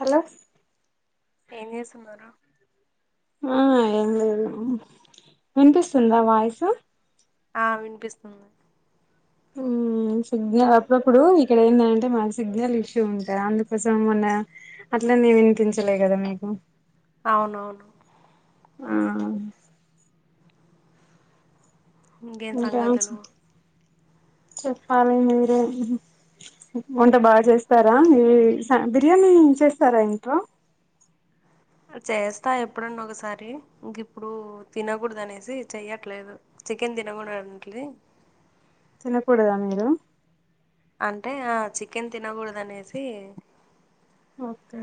Hello ఏం చేస్తున్నారు ఆ ఏం లేదు వినిపిస్తుందా వాయిస్ ఆ వినిపిస్తుంది ఉమ్ సిగ్నల్ అప్పుడప్పుడు ఇక్కడ ఏందంటే మా సిగ్నల్ ఇష్యూ ఉంటది అందుకోసం మొన్న అట్లనీ వినిపించలే కదా మీకు అవునవును ఆ ఇంకేం సంగతులు [unintelligible] చెప్పాల మీరే వంట బాగా చేస్తారా ఈ స బిర్యానీ చేస్తారా ఇంట్లో చేస్తా ఎప్పుడన్నా ఒకసారి ఇంకిప్పుడు తినకూడదు అనేసి చెయ్యట్లేదు చికెన్ తినకూడదు అంట్లి తినకూడదా మీరు అంటే ఆ చికెన్ తినకూడదు అనేసి ఓకే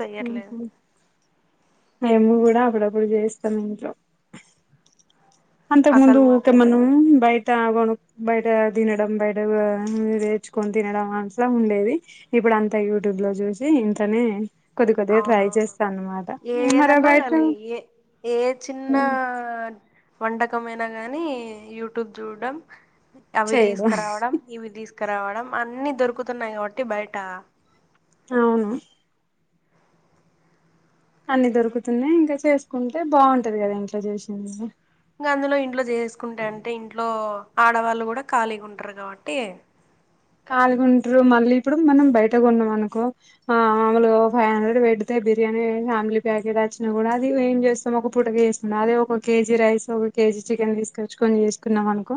చెయ్యట్లేదు మ్మ్ఉమ్మ్ మేము కూడా అప్పుడప్పుడు చేస్తాం ఇంట్లో అసలు అంతకుముందు మాకు తెమ్మన్నా బ త కొను బయట తినడం బయట కూడా రేచుకొని తినడం అట్లా ఉండేది ఇప్పుడు అంతా యూట్యూబ్లో చూసి ఇంట్లోనే కొద్ది కొద్దిగా ట్రై అవునవును చేస్తా అన్నమాట ఏ మరి ఏదన్నా బయట కానీ ఏ ఏ చిన్న వంటకమైన గాని యూట్యూబ్ చూడడం అవి చేయడం తీసుకరావడం ఇవి తీసుకరావడం అన్ని దొరుకుతున్నాయి కాబట్టి బయట అవును అన్ని దొరుకుతున్నాయి ఇంకా చేసుకుంటే బాగుంటది కదా ఇంట్లో చేసింది ఇంగా అందులో ఇంట్లో చేసుకుంటే అంటే ఇంట్లో ఆడవాళ్ళు కూడా ఖాళీగా ఉంటారు కాబట్టి ఖాళీగుంటారు మళ్ళీ ఇప్పుడు మనం బయట కొన్నాం అనుకో ఆ మామూలుగా ఓ ఫైవ్ హండ్రెడ్ పెడితే బిర్యానీ ఫ్యామిలీ ప్యాకెట్ వచ్చినా కూడా అది ఏం చేస్తాం ఒక పూటకి చే అదే ఒక కేజీ రైస్ ఒక కేజీ చికెన్ తీసుకొచ్చుకొని చేసుకున్నాం అనుకో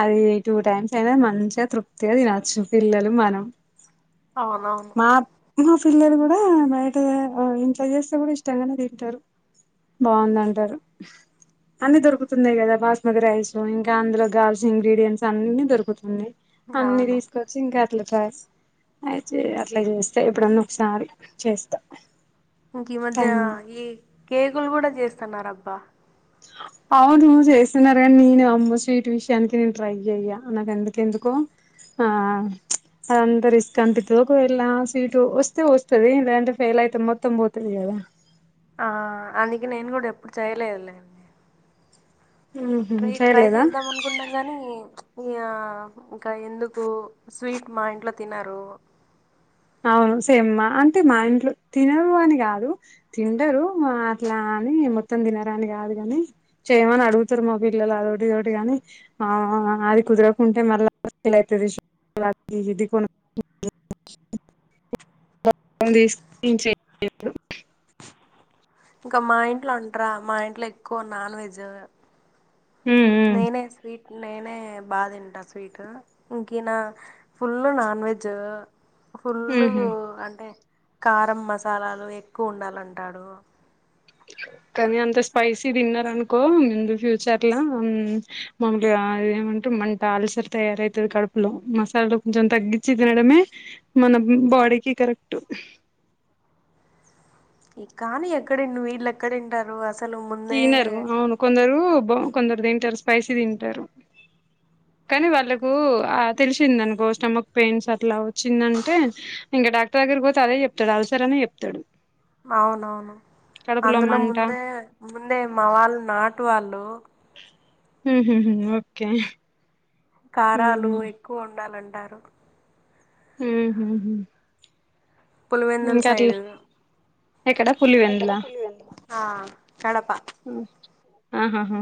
అది టూ టైమ్స్ అయినా మంచిగా తృప్తిగా తినచ్చు పిల్లలు మనం అవునవును మా మా పిల్లలు కూడా బయట ఆ ఇంట్లో చేస్తే కూడా ఇష్టంగానే తింటారు బాగుందంటారు అన్ని దొరుకుతున్నాయి కదా బాస్మతి రైస్ ఇంకా అందులో గావల్సిన ఇంగ్రీడియంట్స్ అన్ని దొరుకుతున్నాయ్ అన్ని అవును తీసుకొచ్చి ఇంకా అట్లాట అయి చే అట్లా చేస్తే ఎప్పుడన్న ఒకసారి చేస్తా ఇంకి మధ్య టైం ఉం ఈ కేకులు కూడా చేస్తున్నారు అబ్బా [inaudible] అవును చేస్తున్నారు కానీ నేను అమ్మో స్వీట్ విషయానికి నేను ట్రై చెయ్యా నాకు ఎందుకు ఎందుకో ఆ అదంతా రిస్క్ అనిపిత్తది ఒకవేళ్ళ స్వీట్ వస్తే వస్తది లేదంటే ఫెయిల్ అయితే మొత్తం పోతది కదా ఆ అందుకే నేను కూడా ఎప్పుడు చేయలేదులే ఉహు ట్రై ట్రై చేయలేదా చేద్దామను అనుకుంటం కాని ఇగ ఇంకా ఎందుకు స్వీట్ మా ఇంట్లో తినరు అవును సేమ్ మా అంటే మా ఇంట్లో తినరు అని కాదు తింటరు మ అట్లా అని మొత్తం తినరని కాదు కాని చేయమని అడుగుతూర్రు మా పిల్లలు అదొటిదోటి గాని ఆ అది కుదరకుంటే మళ్ళ ల అవుతది ఇది కున [unintelligible] ఇంకా మా ఇంట్లో ఉంటరా మా ఇంట్లో ఎక్కువ నాన్ వెజ్ మ్ మ్ నేనే స్వీట్ నేనే బాతింటా స్వీట్ ఇంకా యియన ఫుల్ నాన్ వెెజ్ ఫుల్లు ఉహు అంటే కారం మసాలాలు ఎక్కువ ఉండాలంటాడు కానీ అంత స్పైసి తిన్నారనుకో ముందు ఫ్యూచర్లా ముందుగా ఏమంటే మంట అల్సర్ తయారవుతది కడుపులో మసాలా కొంచెం తగ్గించి తినడమే మన బాడీకి కరెక్ట్ కానీ ఎక్కడిండు వీళ్ళు ఎక్కడింటారు అసలు ముందే తినరు అవును కొందరు బా కొందరు తింటారు స్పైసీ తింటారు కానీ వాళ్ళకు ఆ తెలిసిందనుకో స్టమక్ పెయిన్స్ అట్లా వచ్చిందంటే ఇంగ డాక్టర్ దగ్గరికి పోతే అదే చెప్తాడు అల్సర్ అనే చెప్తాడు అవునవును కడుపులో అందులో మంట ముందే ముందే మా వాళ్ళ నాటు వాళ్ళు మ్ హు హు ఓకే కారాలు ఉమ్ ఎక్కువ ఉండాలంటారు హ్మ్ హూ పులివెందుల్ సైడ్ ఎక్కడ ఎక్కడ పులివెందులా పులివెందు ఆ కడప ఆహాహా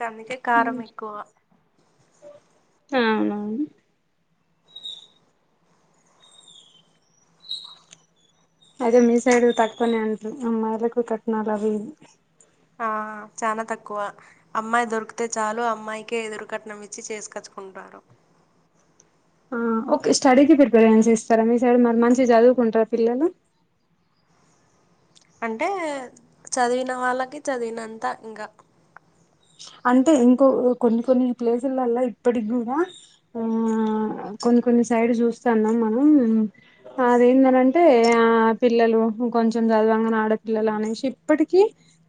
గందుకే కారం ఎక్కువ అవునవును అయితె మీ సైడ్ తక్కువనే అంట అమ్మయిలకు కట్నాలవి ఇవి ఆ చాన తక్కువ అమ్మాయి దొరికితే చాలు అమ్మాయికే ఎదురు కట్నం ఇచ్చి చేసుకోచ్చుకుంటారు ఆ ఓకే స్టడీకి ప్రిపరేషన్స్ ఇస్తారా మీ సైడ్ మరి మంచిగా చదువుకుంటారా పిల్లలు అంటే చదివిన వాళ్ళకి చదివినంత ఇంకా అంటే ఇంకో కొన్ని కొన్ని ప్లేసులల్లా ఇప్పటికి కూడా ఆ కొన్ని కొన్ని సైడ్ చూస్తాన్నాం మనం అదేంటంటే ఆ పిల్లలు కొంచెం చదవాంగానే ఆడపిిల్లలు అనేసి ఇప్పటికీ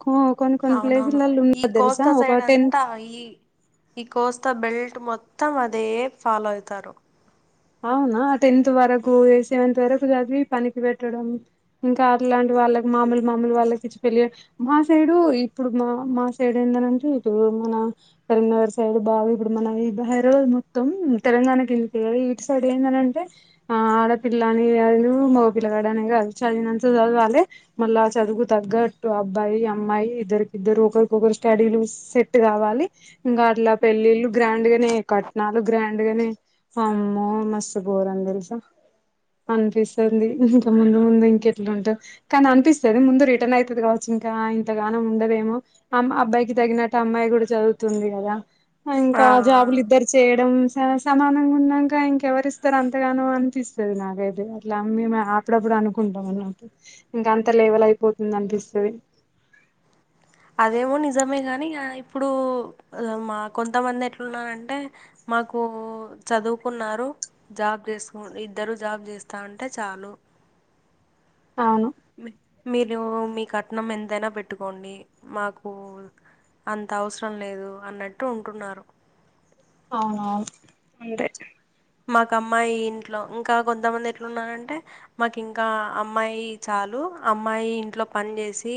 కో కొన్ని కొన్ని అవునవును ప్లేసులలో ఈ ఉన్నారు తెలుసా కోస్తా ఒక సైడ్ టెన్త్ అంతా ఈ ఈ కోస్తా బెల్ట్ మొత్తం అదే ఫాలో అవుతారు అవునా టెన్త్ వరకు సెవెంత్ వరకు చదివి పనికి పెట్టడం ఇంకా అట్లాంటి వాళ్ళకి మాముూలు మాములు వాళ్ళకి ఇచ్చి పెళ్లి మా సైడు ఇప్పుడు మా మా సైడు ఏందంటే ఇప్పుడు మన కరీంనగర్ సైడ్ బాగా ఇప్పుడు మన హైదరాబాద్ మొత్తం తెలంగాణకేళ్ళి పోయారు సైడ్ ఎందనంటే ఆ ఆడపిల్ల అని కాదు మొగపిల్లగాడు అనే కాదు చదివినంత చదవాలే మళ్ళా చదువుకుతగ్గట్టు అబ్బాయి అమ్మాయి ఇద్దరికిద్దరు ఒకరికొకరు స్టడీలు సెట్ కావాలి ఇంకా అట్లా పెళ్ళిళ్ళు గ్రాండ్గనే కట్నాలు గ్రాండ్గనే అమ్ మో మస్సు బోర్ అన్ తెలుస అనిపిస్తుంది ఇంక ముందు ముందు ఇంక ఎట్లా ఉంటావ్ కానీ అనిపిస్తది ముందు రిటర్న్ అయితది కావచ్చు ఇంకా ఇంతగానం ఉండదేమో అమ్ అబ్బాయికి తగినట్టు అమ్మాయి కూడా చదువుతుంది కదా ఆ ఇంకా ఆ జాబులు ఇద్దరు చేయడం స సమానంగా ఉన్నా ఇంకెవరిస్తారు అంతగానం అనిపిస్తది నాకైతే అట్లా మేము అప్పుడప్పుడు అనుకుంటాం అనట్టు ఇంకా అంత లేవల్ అయిపోతుంది అనిపిస్తది అదేమో నిజమే కాని ఇగ ఇప్పుడు మా కొంతమంది ఎట్లున్నారంటే మాకు చదువుకున్నారు జాబ్ చేసుకు ఇద్దరు జాబ్ చేస్తా ఉంటే చాలు అవును మీరు మీ కట్నం ఎంతైనా పెట్టుకోండి మాకు అంత అవసరం లేదు అన్నట్టు ఉంటున్నారు అవునవును అంతే మాకు అమ్మాయి ఇంట్లో ఇంకా కొంతమంది ఎట్లున్నారంటే మాకు ఇంకా అమ్మాయి చాలు అమ్మాయి ఇంట్లో పని చేసి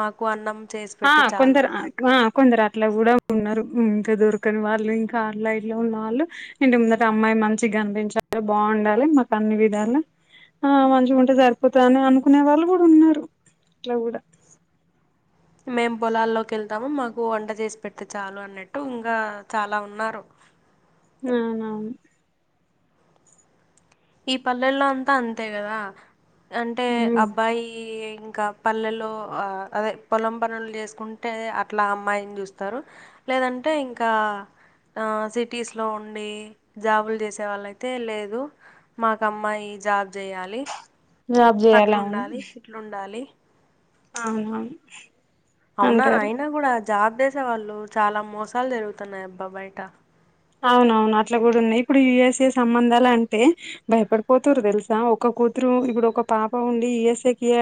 మాకు అన్నం చేసి ఆ పెడితే చాలు కొందరు అన్నట్టు ఆ కొందరు అట్లా కూడా ఉన్నారు ఇంకా దొరకని వాళ్ళు ఇంకా ఆన్లైన్లో ఉన్న వాళ్ళు ఇంటి ముందట అమ్మాయి మంచి గనిపించాలి బాండాలి మాకు అన్ని విధాల ఆ మంచిగా ఉంటే సరిపోతది అని అనుకునే వాళ్ళు కూడా ఉన్నారు అట్లా కూడా మేమ్ పొలాల్లోకి వెళ్తాము మాకు వంట చేసి పెట్తే చాలు అన్నట్టు ఇంకా చాలా ఉన్నారు అవునవును ఈ పల్లెల్లో అంతా అంతే కదా అంటే అబ్బాయి ఇంకా పల్లెలో అదే పొలం పన్లు చేసుకుంటే అట్లా అమ్మాయిని చూస్తారు లేదంటే ఇంకా ఆ సిటీస్లో ఉండి జాబులు చేసే వాళ్ళ అయితే లేదు మాకు అమ్మాయి జాబ్ చేయాలి జాబ్ చేయాలి అవును అట్లుండాలి ఇట్లుండాలి అవునవును అవునా అంటారు అయినా కూడా జాబ్ చేసేవాళ్ళు చాలా మోసాలు జరుగుతున్నాయి అబ్బా బయట అవునవును అట్లా కూడా ఉన్నాయి ఇప్పుడు యుఎస్ఏ సంబంధాలు అంటే భయపడిపోతురు తెలుసా ఒక కూతురు ఇప్పుడు ఒక పాప ఉండి యుఎస్ఎకే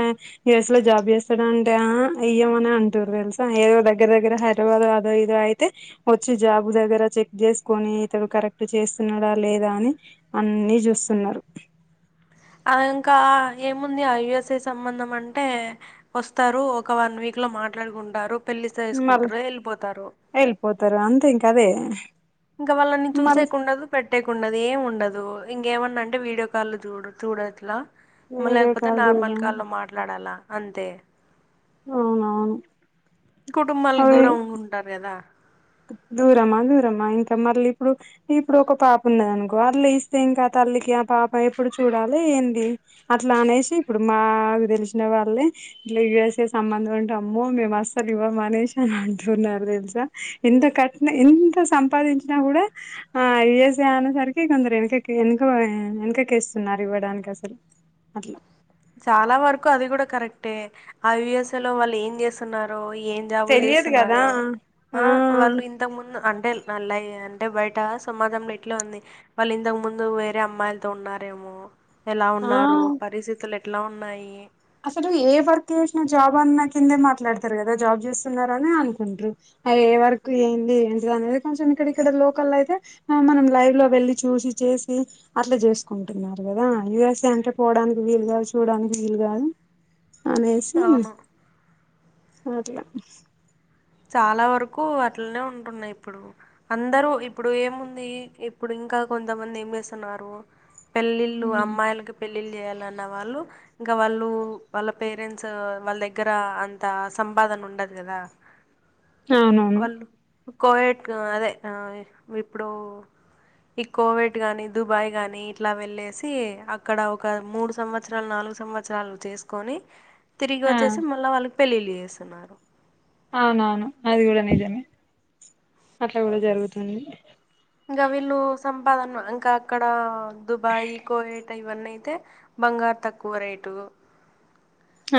యుఎస్లో జాబ్ చేస్తాడంటే అ ఇయ్యమని అంటుర్రు తెలుసా ఏదో దగ్గర దగ్గర హ దారాబాదో అదో ఇదో అయితే వచ్చి జాబు దగ్గరచ్చే జేసుకొని ఇతడు కరెక్ట్ చేస్తున్నాడా లేదా అని అన్ని చూస్తున్నారు ఆ ఇంకా ఏముంది ఆ యుఎస్ఎ సంబంధం అంటే వస్తారు ఒక వన్ వీక్లో మాట్లాడుకుంటారు పెళ్లిసేస్కుంటారు వెళ్ళిపోతారు ఎళ్ళిపోతరు అంతే ఇంక అదే ఇంక వాళ్ళని మళ్ళీ చూసేకుండదు. పెట్టేకుండదు ఏమి ఉండదు ఇంకేమన్నా అంటే వీడియో కాల్లో చూడు చూడట్లా వీడియో మాలేపోతే కాల్ నార్మల్ చూడడం కాల్లో మాట్లాడాలా అంతే అవునవును కుటుంబాలకు అవి దూరం ఉంటారు కదా దూరమా దూరమా ఇంక మళ్ళీ ఇప్పుడు ఇప్పుడు ఒక పాప ఉన్నద నుకో అట్లా ఇస్తే ఇంక తల్లికి ఆ పాప ఎప్పుడు చూడాలి ఏంది? అట్లా అనేసి ఇప్పుడు మా కు తెలిసిన వాళ్ళే ఇట్లా యూ ఎస్ ఏ సంబంధం అంటే అమ్మో! మేము అస్సలు ఇవ్వమనేసి అని అంటున్నారు తెలుసా ఇంత కట్న ఎంత సంపాదించినా కూడా ఆ యూ ఎస్ ఏ అనేసరికి కొందరు వెనుక వెనకకి ఇస్తున్నారు. ఇవ్వడానికి అసలు అట్లా చాలా వరకు అది కూడా కరెక్టే ఆ యూ ఎస్ ఏ లో వాళ్ళు ఏం చేస్తున్నారో ఏం జాబులు తెలియదు కదా చేస్తున్నారు ఆ వాళ్ళు ఇంతకుముందు అంటే నల్లయ అంటే బయట సమాజంలా ఇట్లా ఉంది. వాళ్ళు ఇంతకు ముందు వేరే అమ్మాయిలతో ఉన్నారేమో ఎలా ఉన్నారు ఆ పరిస్థితులు ఎట్లా ఉన్నాయి. అసలు ఏ వర్క్ చేసినా జాబ్ అన్న కిందే మాట్లాడతారు కదా జాబ్ చేస్తున్నార అని అనుకుంటారు ఏ వర్క్ ఏంది ఏంటిది అనేది కొంచెం ఇక్కడ, ఇక్కడ లోకల్ అయితే ఆ మనం లైవ్ లో వెళ్లి చూసి చేసి అట్లా చేసుకుంటున్నారు కదా యయుఎస్ఏ అంటే పోవడానికి వీలు కాదు చూడానికి వీలు కాదు అనేసి అవును అట్ల చాలా వరకు అట్లనే ఉంటున్నాయి ఇప్పుడు. అందరూ ఇప్పుడు ఏముంది ఇప్పుడు ఇంకా కొంతమంది ఏం చేస్తున్నారు? పెళ్ళిళ్ళు అమ్మాయిలకి పెళ్ళిళ్ళు చేయాలన్న వాళ్ళు, ఇంక వాళ్ళు, వాళ్ళ పేరెంట్స్ వాళ్ళ దగ్గర అంత సంపాదన ఉండదు కదా! అవునవును కోయట్ ఆ అదే అ ఇప్పుడు ఈ కోవెట్ గాని దుబాయ్ గాని ఇట్లా వెల్లెసి అక్కడ ఒక మూడు సంవ త్సరం నాలుగు సంవత్సరాలు చేసుకొని తిరిగి ఆ వచ్చేసి మళ్ల వాళ్ళకి పెళ్ళిళ్ళ చేస్తున్నారు అవునవును అది కూడా నిజమే అట్లా కూడా జరుగుతుంది ఇంకా వీళ్ళు సంపాదన ఇంకా అక్కడ దుబాయ్ కోవేట్ ఇవన్నీ అయితే బంగారు తక్కువ రేటు ఆ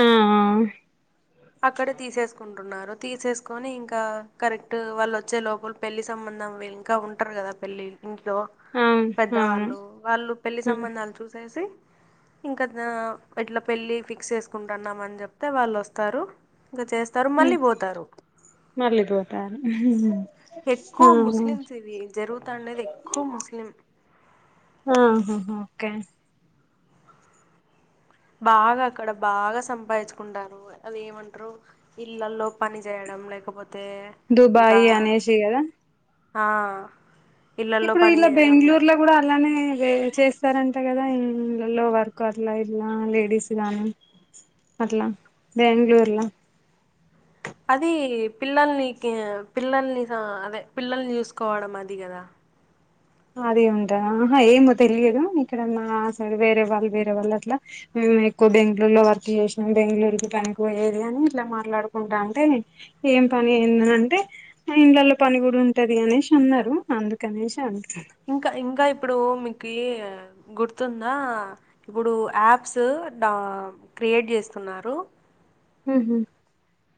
అ అక్కడే తీసేసుకుంటున్నారు తీసేసుకొని ఇంకా కరెక్ట్ వాళ్ళు వచ్చే లోపల పెళ్లి సంబంధం ఇంకా ఉంటారు కదా పెళ్లి ఇంట్లో ఆ అవును అవును పెద్దవాళ్ళు వాళ్ళు పెళ్లి సంబంధాలు చూస్త చెప్పేసి ఇంకా హ ఇట్లా పెళ్ళి ఫిక్స్ చేసుకుంటున్నామని చెప్తే వాళ్ళు వస్త తరు ఇల చేస్తారు మళ్ళీ పోతారు. మళ్ళిపోతారు ఎక్కువ ముస్లిమ్స్ ఇవి జరుగుతాండేది ఎక్కువ ముస్లిం. ఆ హా హా ఓకే బాగా అక్కడ బాగా సంపాదించుకుంటారు అది ఏమంటారు ఇళ్లల్లో పని చేయడం, లేకపోతే ఇంకా దుబాయి అనేసి కదా. ఆ ఇళ్ళల్లో ఇప్పుడు పని ఇలా చేయడం బెంగుళూరు లో ఇప్పుడు అలానే చేస్తారంట కదా ఇండ్లలో వర్క్ అట్ల ఇలా లేడీస్ కానీ అట్లా బెంగళూర్లా అది పిల్లల్ని పిల్లల్ని అదే పిల్లల్ని చూసుకోవడం అది కదా. అదే ఉంటంది ఆహా ఏమో తెలియదు, ఇక్కడ మా సైడ్ వేరే వాళ్ళు వేరే వాళ్ళు అట్లా మేము ఎక్కువ బెంగ్ళూర్ లో వర్క్ చేసినాం. బెంగ్ళూర్ కి పనికి పోయేది అని ఇట్లా మాట్లాడుకుంటా అంటే ఏం పని ఎందన అంటే ఇండ్లలో పని కూడా ఉంటది అనేసి అన్నరు అందుకనేసి అన్న ఇంకా ఇంకా ఇప్పుడు మీకీ గుర్తుందా ఇప్పుడూ యాప్స్ డ క్రియేట్ చేస్తున్నారు. హ్ హ్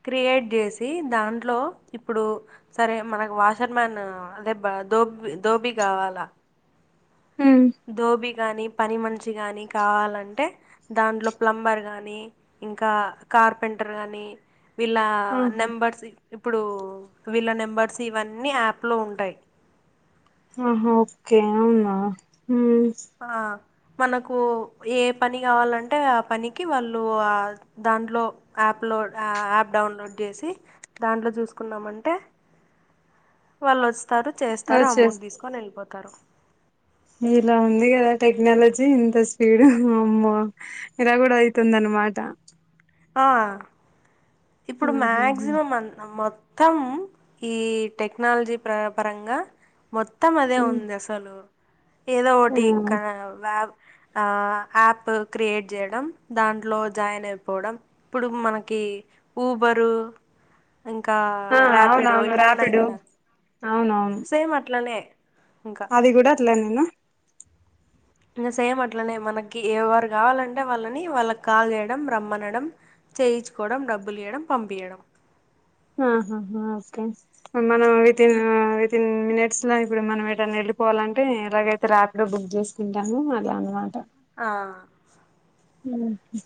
క్రియేట్ జేసి దాంట్లో ఇప్పుడు సరే మనకు వాషర్ మ్యాన్ లేబ దోబ్ దోబి కావాలా హ్మ్ దోబి గాని పని మనిచి గాని కావాలంటే దాంట్లో ప్లంబర్ గాని ఇంకా కార్పెంటర్ గానీ వీళ్ళా ఆహా నెంబర్స్ ఇప్పుడు వీళ్ళ నెంబర్స్ ఇవన్నీ యాప్ లో ఉంటాయి ఆహా ఒక్కె అవునా ఉమ్ ఆ మనకు ఏ పని కావాలంటే ఆ పనికి వాళ్ళు అ దాంట్లో యాప్లోడ్ ఆ యాప్ డౌన్లోడ్ చేసి దాంట్లో చూసుకున్నామంటే వాల్ ఒస్తారు చేస్తారు వచ్చేస్ అమౌంట్ తీసుకొని ఎళ్ళిపోతారు ఇలా ఉంది కదా టెక్నాలజీ ఇంత స్పీడ్ అమ్మ! ఇలా కూడా అయితుందన్ మాట ఆ ఇప్పుడు ఆహాహా మాక్సిమం అన్ మోత్ త్తం ఈ టెక్నాలజీ ప్ర పరంగా మొత్తం అదే హ్మ్ ఉంది అస్ సలు ఏదో ఒకటి కా హ్మ్ వ్యాబ్ ఆ యాప్ క్రియేట్ చేయడం, దాంట్లో జాయిన్ అయిపోవడం ఇప్పుడు మనకి ఊబరు ఇంకా ఆ ర్యాపిడో అవునవును ఇట్లున్నయి రాపిడో కదా అవునవును సేమ్ అట్లనే ఇంక ఇది కూడా అట్లనేనా ఇంగా సేమ్ అట్లనే మనకి ఏవరు కావాలంటే వాళ్ళని వాళ్ళకి కాల్ చేయడం రమ్మనడం చేయిచుకోవడం డబ్బులియ్యడం పంపియ్యడం ఆహా హా హా ఓకే మనం వితిన్ ఆ విత్ టెన్ మినిట్స్ లో ఇప్పుడు మనం ఏటైనా ఎళ్ళిపోవాలంటే ఎలాగైతే రాపిడో బుక్ చేసుకుంటాము. అలా అన్నమాట ఆ ఉ హు